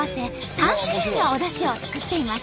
３種類のおだしを作っています。